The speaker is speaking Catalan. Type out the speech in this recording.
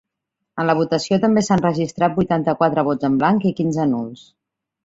En la votació també s’han registrat vuitanta-quatre vots en blanc i quinze nuls.